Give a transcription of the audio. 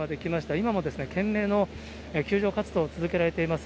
今も懸命の救助活動、続けられています。